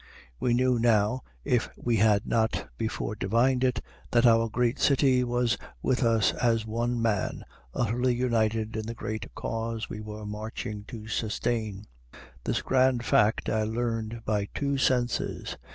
We knew now, if we had not before divined it, that our great city was with us as one man, utterly united in the great cause we were marching to sustain. This grand fact I learned by two senses.